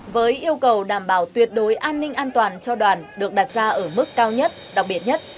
với yêu cầu đảm bảo tuyệt đối an ninh an toàn cho đoàn được đặt ra ở mức cao nhất đặc biệt nhất